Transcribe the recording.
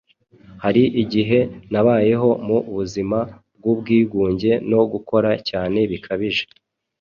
Hari igihe nabayeho mu buzima bw’ubwigunge no gukora cyane bikabije,